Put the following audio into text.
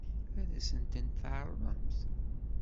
Ad sen-tent-tɛeṛḍemt?